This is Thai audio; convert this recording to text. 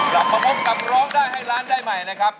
กลับมาพบกับร้องได้ให้ล้านได้ใหม่นะครับ